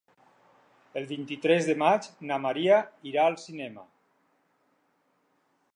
El vint-i-tres de maig na Maria irà al cinema.